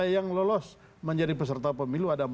yang lolos menjadi peserta pemilu ada empat